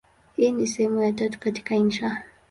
Hii ni sehemu ya tatu katika insha.